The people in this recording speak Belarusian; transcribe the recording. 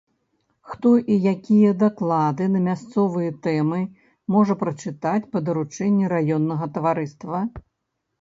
Хто і якія даклады на мясцовыя тэмы можа прачытаць па даручэнні раённага таварыства?